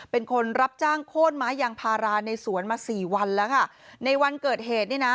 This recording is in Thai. เป็นคนรับจ้างโค้นไม้ยางพาราในสวนมาสี่วันแล้วค่ะในวันเกิดเหตุเนี่ยนะ